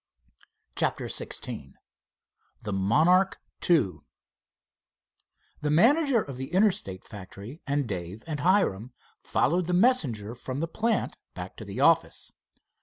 CHAPTER XVI THE "MONARCH II" The manager of the Interstate factory and Dave and Hiram followed the messenger from the plant back to the office.